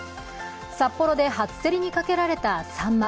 札幌で初競りにかけられたサンマ。